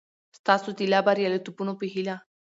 ستاسو د لا بریالیتوبونو په هیله!